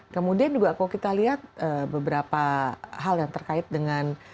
kemudian juga kalau kita lihat beberapa hal yang terkait dengan